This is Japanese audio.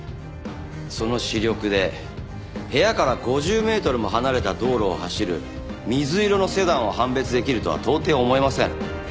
その視力で部屋から５０メートルも離れた道路を走る水色のセダンを判別できるとは到底思えません。